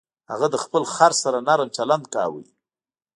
هغه د خپل خر سره نرم چلند کاوه.